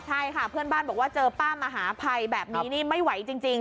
ใช่ค่ะเพื่อนบ้านบอกว่าเจอป้ามหาภัยแบบนี้นี่ไม่ไหวจริง